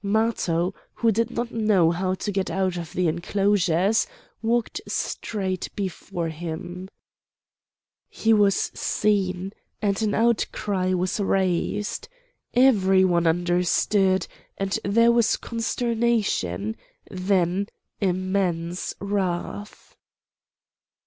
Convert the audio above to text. Matho, who did not know how to get out of the enclosures, walked straight before him. He was seen, and an outcry was raised. Every one understood; and there was consternation, then immense wrath.